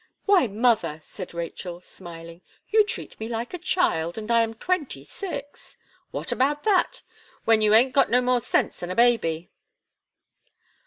"Why, mother," said Rachel, smiling, "you treat me like a child, and I am twenty six." "What about that? when you aint got no more sense than a baby."